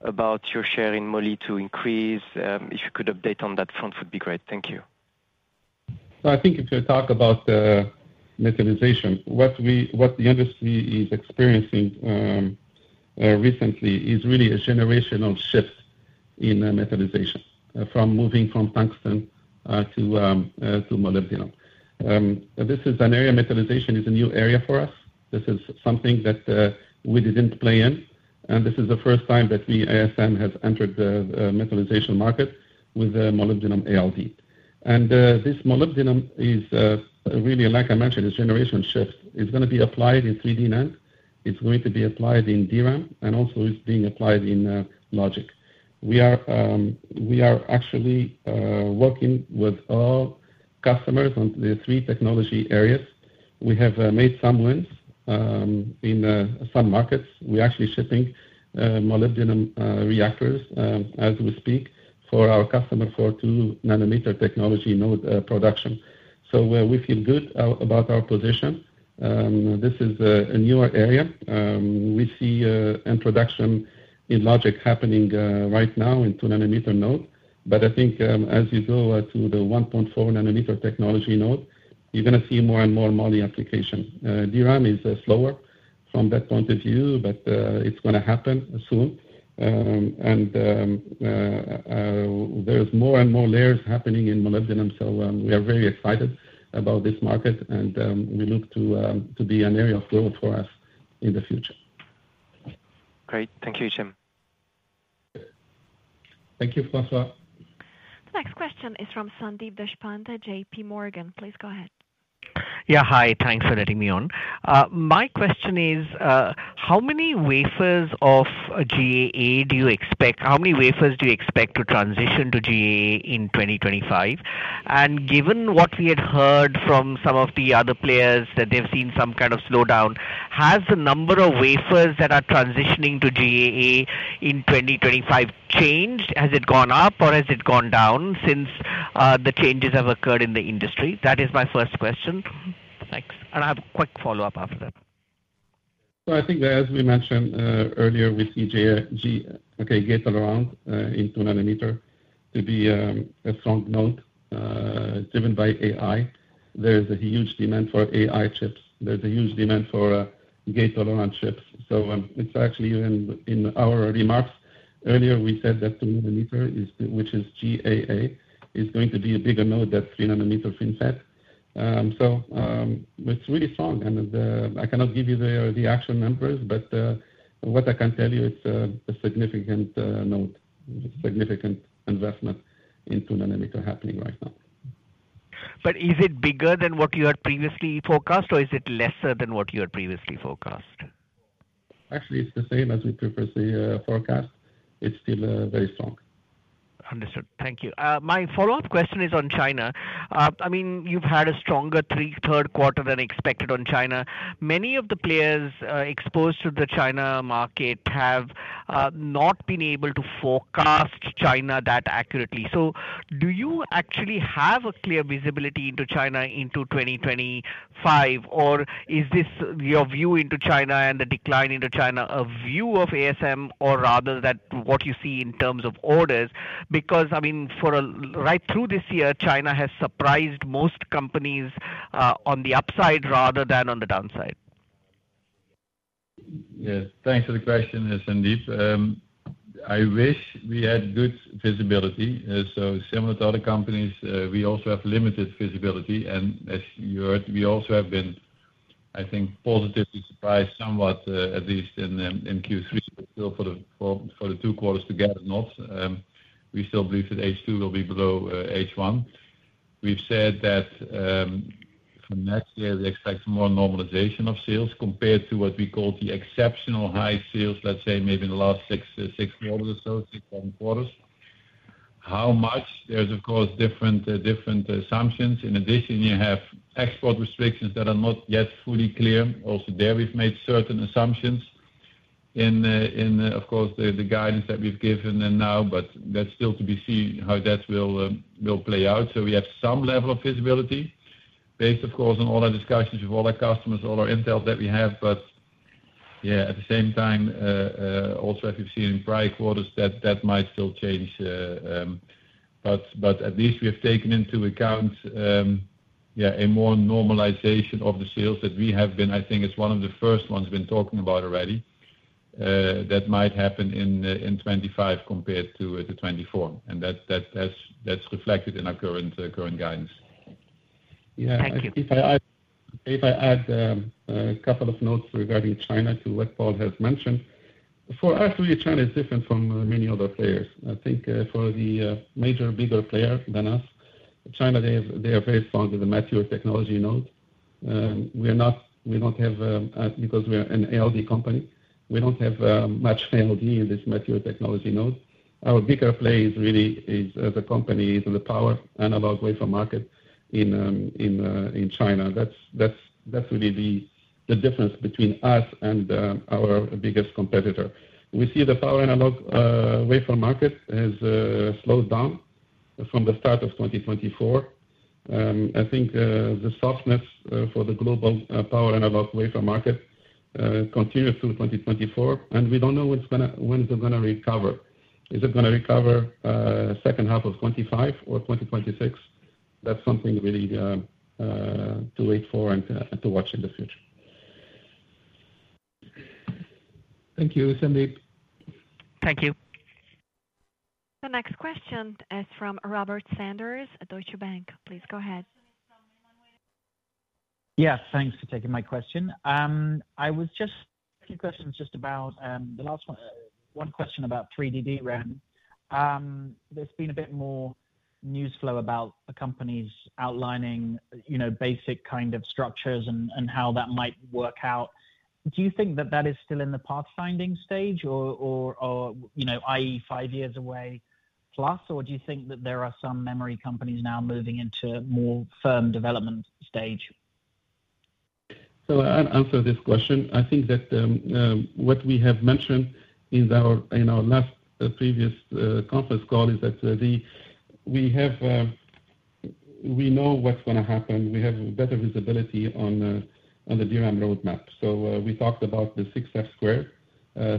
about your share in moly to increase? If you could update on that front, it would be great. Thank you. So I think if you talk about metallization, what the industry is experiencing recently is really a generational shift in metallization from moving from Tungsten to Molybdenum. This is an area metallization is a new area for us. This is something that we didn't play in. And this is the first time that we, ASM, have entered the metallization market with Molybdenum ALD. And this Molybdenum is really, like I mentioned, it's generation shift. It's going to be applied in 3D NAND. It's going to be applied in DRAM, and also it's being applied in Logic. We are actually working with all customers on the three technology areas. We have made some wins in some markets. We're actually shipping Molybdenum reactors as we speak for our customer for 2 nanometer technology node production. So we feel good about our position. This is a newer area. We see introduction in Logic happening right now in 2 nanometer node, but I think as you go to the 1.4 nanometer technology node, you're going to see more and more Mo application. DRAM is slower from that point of view, but it's going to happen soon, and there's more and more layers happening in Molybdenum. So we are very excited about this market, and we look to be an area of growth for us in the future. Great. Thank you, Hichem. Thank you, François. The next question is from Sandeep Deshpande, JP Morgan. Please go ahead. Yeah. Hi. Thanks for letting me on. My question is, how many wafers of GAA do you expect? How many wafers do you expect to transition to GAA in 2025? And given what we had heard from some of the other players that they've seen some kind of slowdown, has the number of wafers that are transitioning to GAA in 2025 changed? Has it gone up or has it gone down since the changes have occurred in the industry? That is my first question. Thanks. And I have a quick follow-up after that. So I think, as we mentioned earlier, we see Gate all-around in 2 nanometer to be a strong node driven by AI. There is a huge demand for AI chips. There's a huge demand for Gate all-around chips. So it's actually in our remarks earlier. We said that 2 nanometer, which is GAA, is going to be a bigger node than 3 nanometer FinFET. So it's really strong. And I cannot give you the actual numbers, but what I can tell you, it's a significant node, significant investment in 2 nanometer happening right now. But is it bigger than what you had previously forecast, or is it lesser than what you had previously forecast? Actually, it's the same as we previously forecast. It's still very strong. Understood. Thank you. My follow-up question is on China. I mean, you've had a stronger third quarter than expected on China. Many of the players exposed to the China market have not been able to forecast China that accurately. So do you actually have a clear visibility into China into 2025, or is this your view into China and the decline into China, a view of ASM, or rather that what you see in terms of orders? Because, I mean, right through this year, China has surprised most companies on the upside rather than on the downside. Yes. Thanks for the question, Sandeep. I wish we had good visibility. So similar to other companies, we also have limited visibility. And as you heard, we also have been, I think, positively surprised somewhat, at least in Q3, still for the two quarters together, not. We still believe that H2 will be below H1. We've said that for next year, we expect more normalization of sales compared to what we call the exceptional high sales, let's say, maybe in the last six quarters or so, six quarters. How much? There's, of course, different assumptions. In addition, you have export restrictions that are not yet fully clear. Also there, we've made certain assumptions in, of course, the guidance that we've given now, but that's still to be seen how that will play out. So we have some level of visibility based, of course, on all our discussions with all our customers, all our intel that we have. But yeah, at the same time, also as we've seen in prior quarters, that might still change. But at least we have taken into account, yeah, a more normalization of the sales that we have been, I think, as one of the first ones been talking about already, that might happen in 2025 compared to 2024. And that's reflected in our current guidance. Yeah. Thank you. If I add a couple of notes regarding China to what Paul has mentioned, for us, really, China is different from many other players. I think for the major, bigger player than us, China, they are very strong in the material technology node. We don't have, because we're an ALD company, we don't have much ALD in this material technology node. Our bigger play is really the company to the power analog wafer market in China. That's really the difference between us and our biggest competitor. We see the power analog wafer market has slowed down from the start of 2024. I think the softness for the global power analog wafer market continues through 2024, and we don't know when it's going to recover. Is it going to recover second half of 2025 or 2026? That's something really to wait for and to watch in the future. Thank you, Sandeep. Thank you. The next question is from Robert Sanders, Deutsche Bank. Please go ahead. Yes. Thanks for taking my question. I just have a few questions, just about the last one, one question about 3D DRAM. There's been a bit more news flow about the companies outlining basic kind of structures and how that might work out. Do you think that that is still in the pathfinding stage or i.e., five years away plus, or do you think that there are some memory companies now moving into a more firm development stage? So I'll answer this question. I think that what we have mentioned in our last previous conference call is that we know what's going to happen. We have better visibility on the DRAM roadmap. So we talked about the 6F-square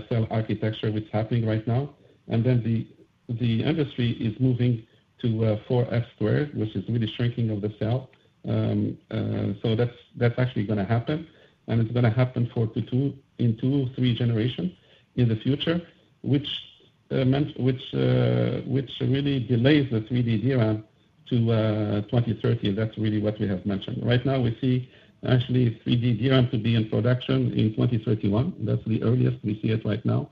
cell architecture, which is happening right now. And then the industry is moving to 4F-square, which is really shrinking of the cell. So that's actually going to happen, and it's going to happen in two, three generations in the future, which really delays the 3D DRAM to 2030. That's really what we have mentioned. Right now, we see actually 3D DRAM to be in production in 2031. That's the earliest we see it right now.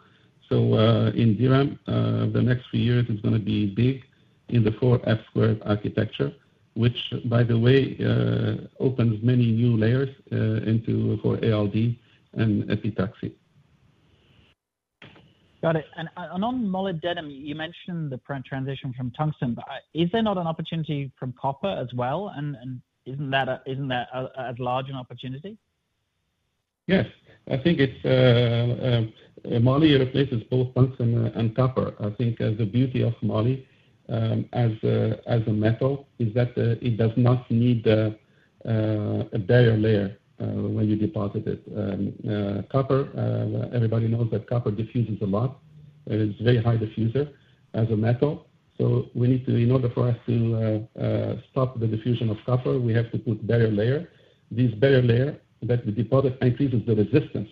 So in DRAM, the next few years is going to be big in the 4F-square architecture, which, by the way, opens many new layers for ALD and epitaxy. Got it. And on Molybdenum, you mentioned the transition from Tungsten, but is there not an opportunity from Copper as well? And isn't that as large an opportunity? Yes. I think Moly replaces both Tungsten and Copper. I think the beauty of Moly as a metal is that it does not need a barrier layer when you deposit it. Copper, everybody knows that copper diffuses a lot. It's a very high diffuser as a metal. So in order for us to stop the diffusion of copper, we have to put a barrier layer. This barrier layer that we deposit increases the resistance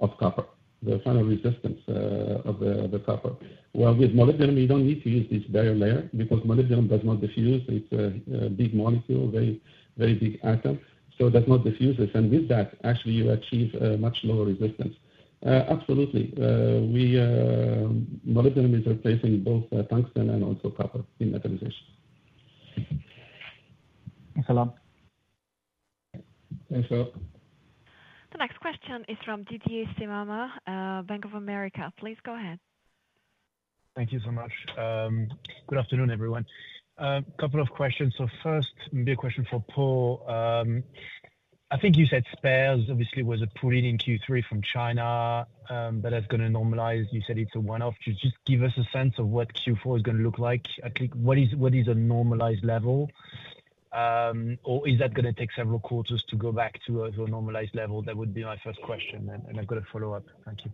of copper, the final resistance of the copper. With Molybdenum, you don't need to use this barrier layer because Molybdenum does not diffuse. It's a big molecule, very big atom. So it does not diffuse this. And with that, actually, you achieve a much lower resistance. Absolutely. Molybdenum is replacing both Tungsten and also Copper in metallization. Thanks a lot. Thanks, sir. The next question is from Didier Scemama, Bank of America. Please go ahead. Thank you so much. Good afternoon, everyone. A couple of questions. So first, maybe a question for Paul. I think you said Spares obviously was a pull-in in Q3 from China, but that's going to normalize. You said it's a one-off. Just give us a sense of what Q4 is going to look like. What is a normalized level, or is that going to take several quarters to go back to a normalized level? That would be my first question, and I've got a follow-up. Thank you.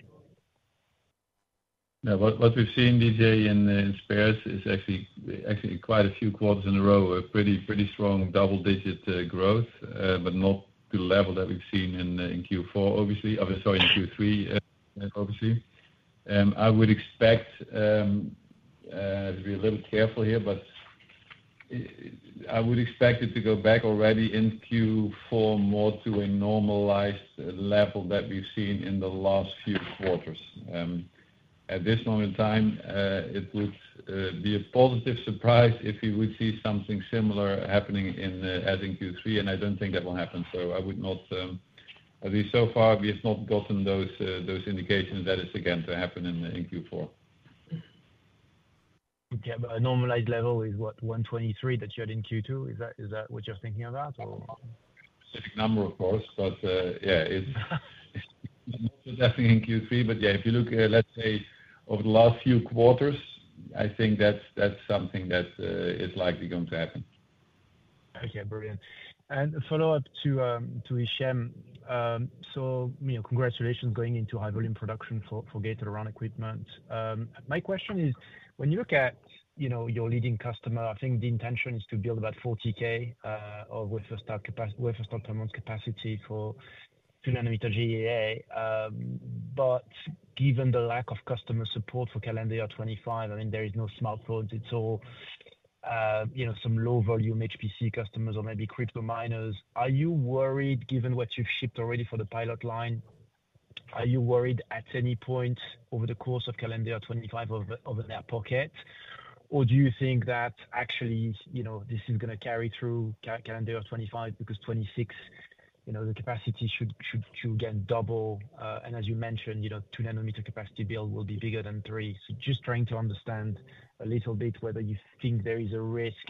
What we've seen this year in Spares is actually quite a few quarters in a row, a pretty strong double-digit growth, but not to the level that we've seen in Q4, obviously. Sorry, in Q3, obviously. I would expect to be a little careful here, but I would expect it to go back already in Q4 more to a normalized level that we've seen in the last few quarters. At this moment in time, it would be a positive surprise if we would see something similar happening as in Q3, and I don't think that will happen. So I would not, at least so far, we have not gotten those indications that it's again to happen in Q4. Okay. But a normalized level is what, 123 that you had in Q2? Is that what you're thinking about, or? Specific number, of course, but yeah. It's definitely in Q3. But yeah, if you look, let's say, over the last few quarters, I think that's something that is likely going to happen. Okay. Brilliant. And a follow-up to Hichem. So congratulations going into high-volume production for Gate-all-around equipment. My question is, when you look at your leading customer, I think the intention is to build about 40,000 of wafer starts per month capacity for 2 nanometer GAA. cendar 25 over throughput, or do you think that actually this is going to carry through calendar 25 because 26, the capacity should again double? And as you mentioned, 2 nanometer capacity build will be bigger than 3. So just trying to understand a little bit whether you think there is a risk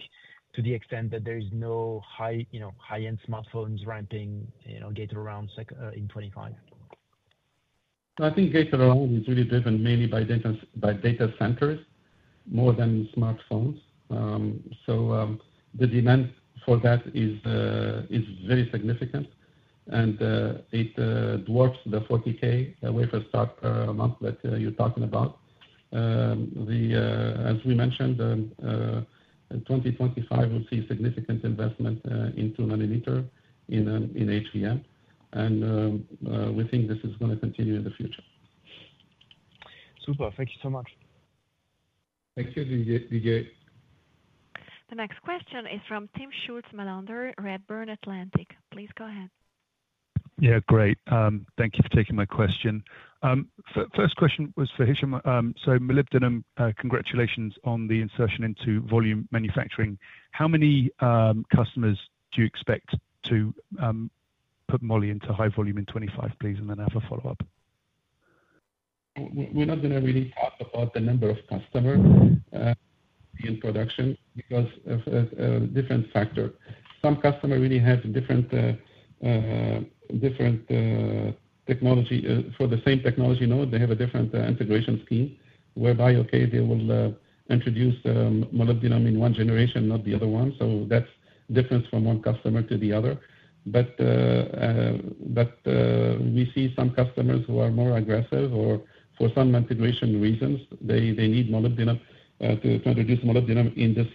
to the extent that there is no high-end smartphones ramping Gate-all-around in 25. I think Gate-all-around is really driven mainly by data centers more than smartphones. So the demand for that is very significant, and it dwarfs the 40K wafer stock per month that you're talking about. As we mentioned, 2025 will see significant investment in 2 nanometer in HBM, and we think this is going to continue in the future. Super. Thank you so much. Thank you, Didier. The next question is from Timm Schulze-Melander, Redburn Atlantic. Please go ahead. Yeah. Great. Thank you for taking my question. First question was for Hichem. So Molybdenum, congratulations on the insertion into volume manufacturing. How many customers do you expect to put Moly into high volume in 25, please, and then have a follow-up? We're not going to really talk about the number of customers in production because of different factors. Some customers really have different technology. For the same technology node, they have a different integration scheme whereby, okay, they will introduce Molybdenum in one generation, not the other one. So that's different from one customer to the other. But we see some customers who are more aggressive or for some integration reasons, they need Molybdenum to introduce Molybdenum in this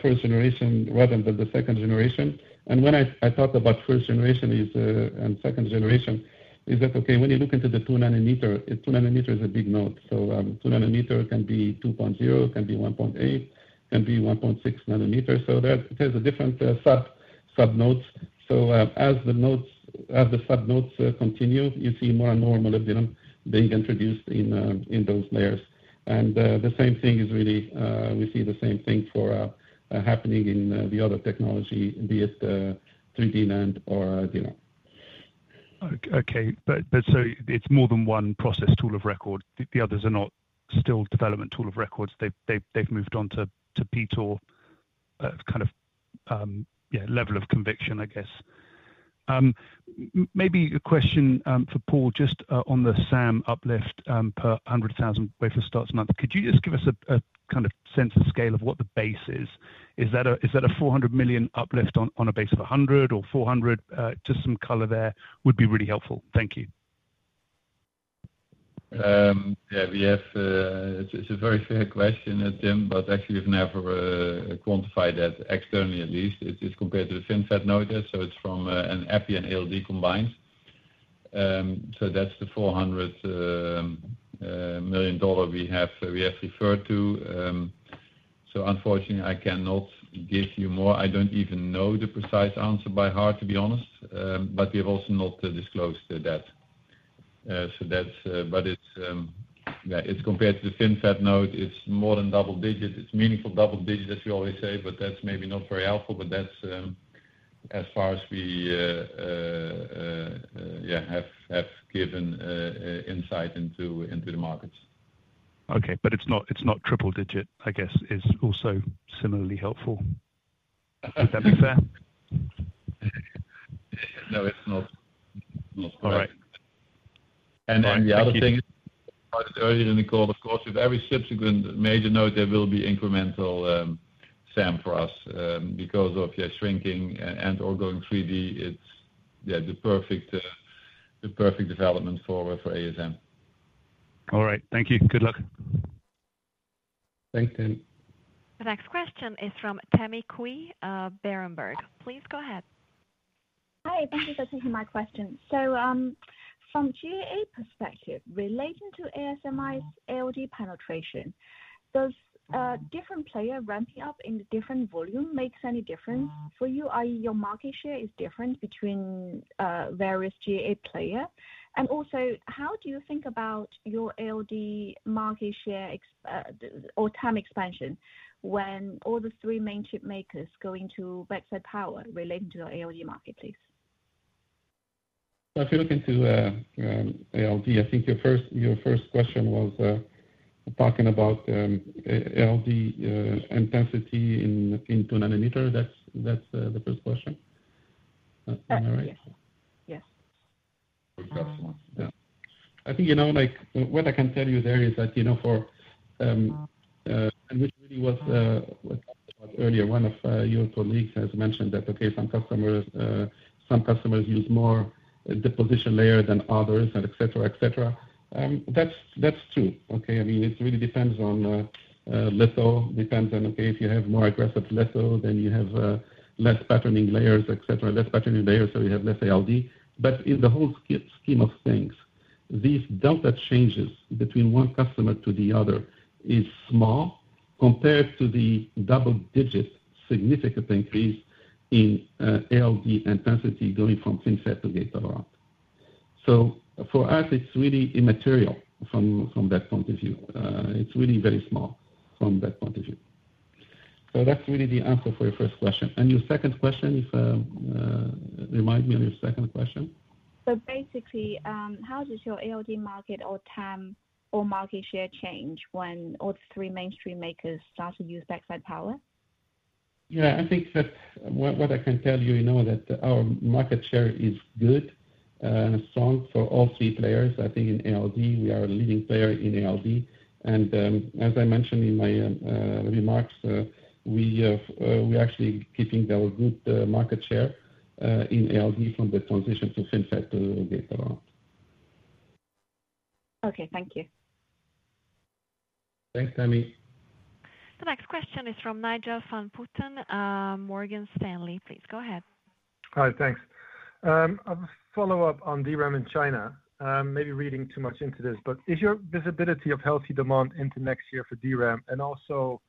first generation rather than the second generation. And when I talk about first generation and second generation, is that okay? When you look into the 2 nanometer, 2 nanometer is a big node. So 2 nanometer can be 2.0, can be 1.8, can be 1.6 nanometer. So there's a different sub-node. So as the sub-nodes continue, you see more and more Molybdenum being introduced in those layers. And the same thing is really we see the same thing happening in the other technology, be it 3D NAND or DRAM. Okay. It's more than one process tool of record. The others are not still development tool of records. They've moved on to PTOR, kind of level of conviction, I guess. Maybe a question for Paul just on the SAM uplift per 100,000 wafer starts a month. Could you just give us a kind of sense of scale of what the base is? Is that a $400 million uplift on a base of $100 or $400? Just some color there would be really helpful. Thank you. Yeah. It's a very fair question, Tim, but actually, we've never quantified that externally, at least. It's compared to the FinFET node. So it's from an EPI and ALD combined. So that's the $400 million we have referred to. So unfortunately, I cannot give you more. I don't even know the precise answer by heart, to be honest, but we have also not disclosed that. But yeah, it's compared to the FinFET node. It's more than double-digit. It's meaningful double-digit, as we always say, but that's maybe not very helpful. But that's as far as we, yeah, have given insight into the markets. Okay. But it's not triple-digit, I guess, is also similarly helpful. Would that be fair? No, it's not. All right. And the other thing is, as I said earlier in the call, of course, with every subsequent major node, there will be incremental SAM for us because of, yeah, shrinking and/or going 3D. It's, yeah, the perfect development for ASM. All right. Thank you. Good luck. Thanks, Tim. The next question is from Tammy Qiu, Berenberg. Please go ahead. Hi. Thank you for taking my question. So from GAA perspective, relating to ASMI's ALD penetration, does a different player ramping up in different volume make any difference for you, i.e., your market share is different between various GAA players? And also, how do you think about your ALD market share or TAM expansion when all the three main chip makers go into backside power relating to your ALD marketplace? If you look into ALD, I think your first question was talking about ALD intensity in 2 nanometer. That's the first question. Am I right? Yes. Yes. I think what I can tell you there is that for, and which really was talked about earlier, one of your colleagues has mentioned that, okay, some customers use more deposition layer than others, etc., etc. That's true. Okay. I mean, it really depends on litho. It depends on, okay, if you have more aggressive litho, then you have less patterning layers, etc., less patterning layers, so you have less ALD, but in the whole scheme of things, these delta changes between one customer to the other is small compared to the double-digit significant increase in ALD intensity going from FinFET to gate-all-around, so for us, it's really immaterial from that point of view. It's really very small from that point of view, so that's really the answer for your first question, and your second question, remind me of your second question, so basically, how does your ALD market or TAM or market share change when all three mainstream makers start to use backside power? Yeah, I think that what I can tell you is that our market share is good, strong for all three players. I think in ALD, we are a leading player in ALD, and as I mentioned in my remarks, we are actually keeping our good market share in ALD from the transition to FinFET to gate-all-around. Okay. Thank you. Thanks, Tammy. The next question is from Nigel van Putten, Morgan Stanley. Please go ahead. Hi. Thanks. A follow-up on DRAM in China. Maybe reading too much into this, but is your visibility of healthy demand into next year for DRAM and also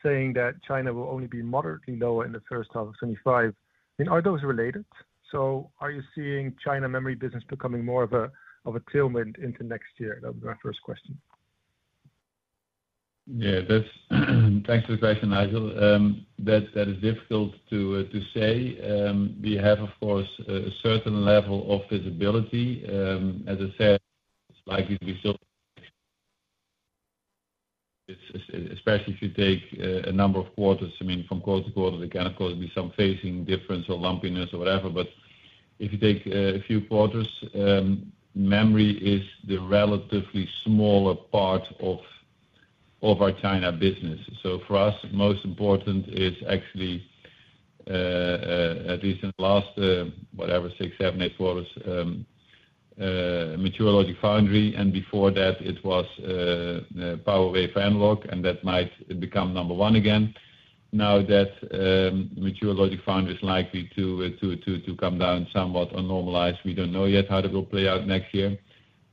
saying that China will only be moderately lower in the first half of 2025, I mean, are those related? So are you seeing China memory business becoming more of a tailwind into next year? That would be my first question. Yeah. Thanks for the question, Nigel. That is difficult to say. We have, of course, a certain level of visibility. As I said, it's likely to be still, especially if you take a number of quarters. I mean, from quarter to quarter, there can of course be some phasing difference or lumpiness or whatever. But if you take a few quarters, memory is the relatively smaller part of our China business. So for us, most important is actually, at least in the last, whatever, six, seven, eight quarters, logic foundry. And before that, it was power and analog, and that might become number one again. Now that logic foundry is likely to come down somewhat or normalize, we don't know yet how it will play out next year.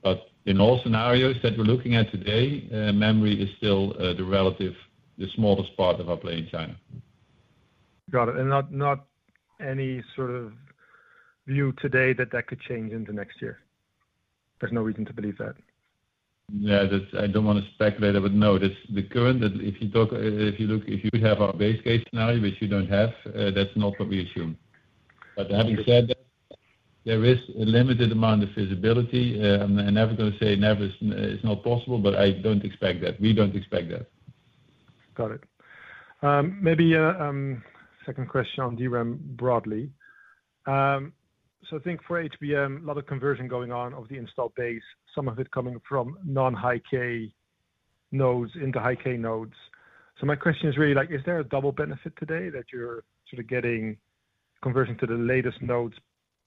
But in all scenarios that we're looking at today, memory is still the smallest part of our play in China. Got it. And not any sort of view today that that could change into next year? There's no reason to believe that. Yeah. I don't want to speculate it, but no, the current, if you look, if you have our base case scenario, which you don't have, that's not what we assume. But having said that, there is a limited amount of visibility. I'm never going to say it's not possible, but I don't expect that. We don't expect that. Got it. Maybe a second question on DRAM broadly. So I think for HBM, a lot of conversion going on of the installed base, some of it coming from non-High-K nodes into High-K nodes. So my question is really, is there a double benefit today that you're sort of getting conversion to the latest nodes,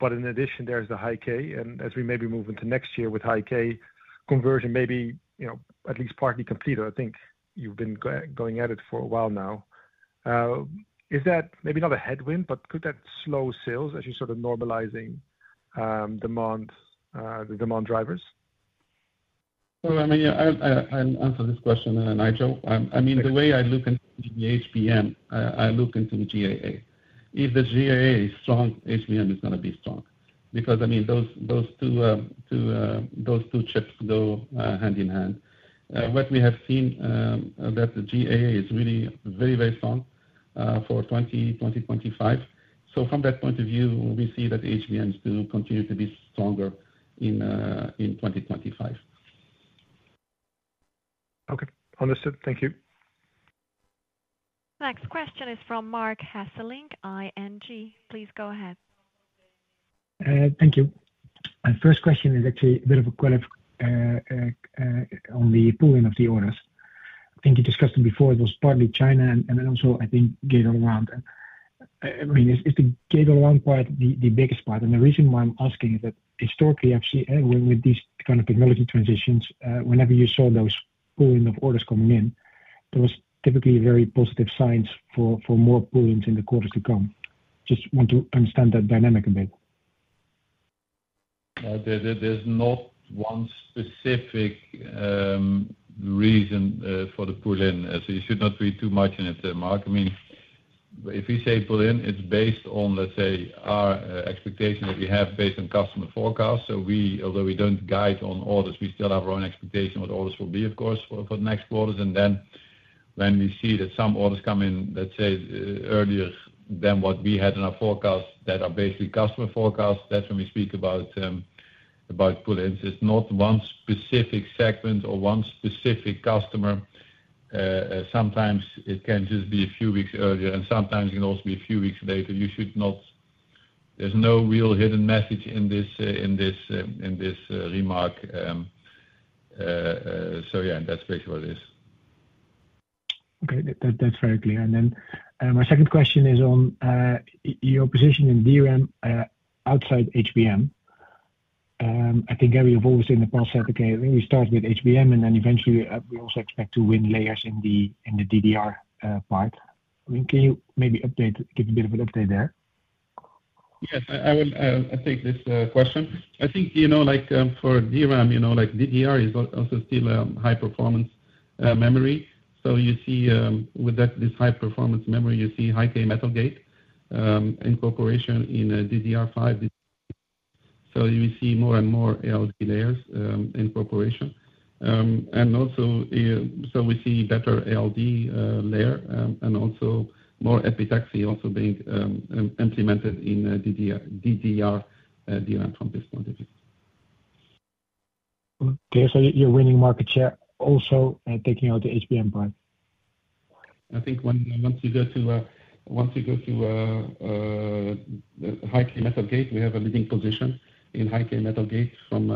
but in addition, there's the High-K? And as we maybe move into next year with High-K conversion, maybe at least partly completed, I think you've been going at it for a while now. Is that maybe not a headwind, but could that slow sales as you're sort of normalizing the demand drivers? Well, I mean, I'll answ`er this question then, Nigel. I mean, the way I look into the HBM, I look into the GAA. If the GAA is strong, HBM is going to be strong. Because I mean, those two chips go hand in hand. What we have seen that the GAA is really very, very strong for 2025. So from that point of view, we see that HBMs do continue to be stronger in 2025. Okay. Understood. Thank you. The next question is from Mark Hesselink, ING. Please go ahead. Thank you. My first question is actually a bit of a question on the pull-in of the orders. I think you discussed it before. It was partly China and then also, I think, gate-all-around. I mean, is the Gate all-around part the biggest part? And the reason why I'm asking is that historically, actually, with these kind of technology transitions, whenever you saw those pooling of orders coming in, there was typically very positive signs for more pull-ins in the quarters to come. Just want to understand that dynamic a bit. There's not one specific reason for the pooling. So you should not read too much in it, Mark. I mean, if we say pooling, it's based on, let's say, our expectation that we have based on customer forecasts. So although we don't guide on orders, we still have our own expectation what orders will be, of course, for the next quarters. And then when we see that some orders come in, let's say, earlier than what we had in our forecast that are basically customer forecasts, that's when we speak about poolings. It's not one specific segment or one specific customer. Sometimes it can just be a few weeks earlier, and sometimes it can also be a few weeks later. There's no real hidden message in this remark. So yeah, that's basically what it is. Okay. That's very clear. And then my second question is on your position in DRAM outside HBM. I think everyone has always in the past said, "Okay, we start with HBM," and then eventually, we also expect to win layers in the DDR part. I mean, can you maybe give a bit of an update there? Yes. I will take this question. I think for DRAM, DDR is also still high-performance memory. So with this high-performance memory, you see High-K Metal Gate incorporation in DDR5. So you see more and more ALD layers incorporation. And also, so we see better ALD layer and also more epitaxy also being implemented in DDR DRAM from this point of view. Okay. So you're winning market share also taking out the HBM part? I think once you go to High-K Metal Gate, we have a leading position in High-K Metal Gate from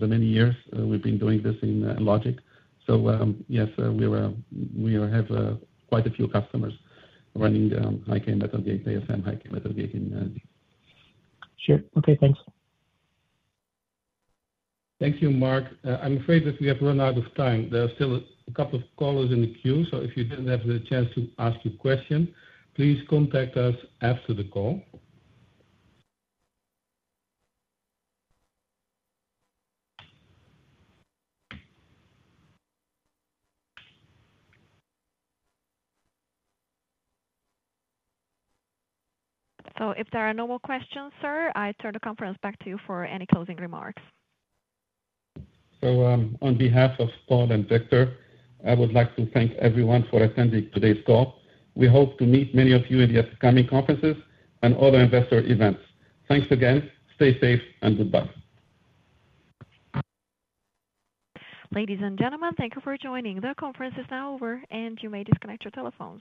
the many years we've been doing this in logic. So yes, we have quite a few customers running High-K Metal Gate, ASM High-K Metal Gate in. Sure. Okay. Thanks. Thank you, Mark. I'm afraid that we have run out of time. There are still a couple of callers in the queue. So if you didn't have the chance to ask your question, please contact us after the call. So if there are no more questions, sir, I turn the conference back to you for any closing remarks. On behalf of Paul and Victor, I would like to thank everyone for attending today's call. We hope to meet many of you in the upcoming conferences and other investor events. Thanks again. Stay safe and goodbye. Ladies and gentlemen, thank you for joining. The conference is now over, and you may disconnect your telephones.